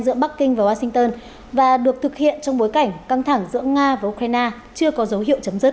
giữa bắc kinh và washington và được thực hiện trong bối cảnh căng thẳng giữa nga và ukraine chưa có dấu hiệu chấm dứt